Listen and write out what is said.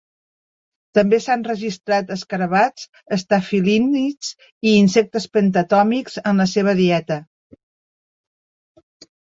També s'han registrat escarabats estafilínids i insectes pentatòmics en la seva dieta.